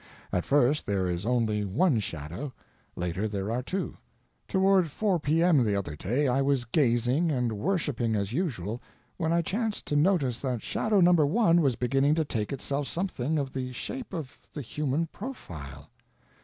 At first there is only one shadow; later there are two. Toward 4 P.M. the other day I was gazing and worshiping as usual when I chanced to notice that shadow No. 1 was beginning to take itself something of the shape of the human profile.